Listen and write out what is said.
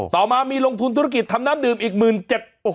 ต่อมามีลงทุนธุรกิจทำน้ำดื่มอีก๑๗๐๐บาท